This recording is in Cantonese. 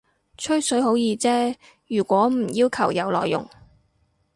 吹水好易啫，如果唔要求有內容